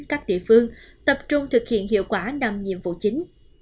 các địa phương tập trung thực hiện hiệu quả năm nhiệm vụ chính